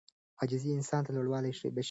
عاجزي انسان ته لوړوالی بښي.